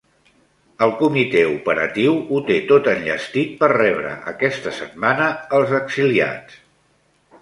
El comitè operatiu ho té tot enllestit per rebre aquesta setmana els exiliats.